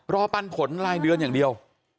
ปันผลรายเดือนอย่างเดียว